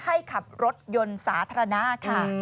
ขับรถยนต์สาธารณะค่ะ